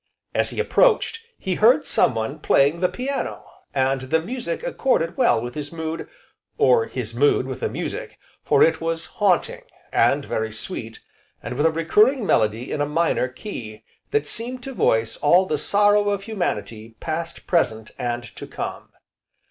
As he approached, he heard someone playing the piano, and the music accorded well with his mood, or his mood with the music, for it was haunting, and very sweet, and with a recurring melody in a minor key, that seemed to voice all the sorrow of Humanity, past, present, and to come.